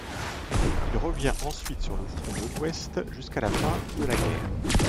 Il revient ensuite sur le front de l'Ouest jusqu'à la fin de la guerre.